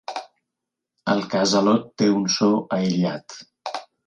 El casalot té un so aïllat.